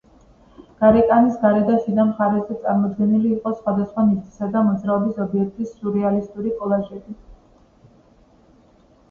გარეკანის გარე და შიდა მხარეზე წარმოდგენილი იყო სხვადასხვა ნივთისა თუ მოძრავი ობიექტის სიურეალისტური კოლაჟები.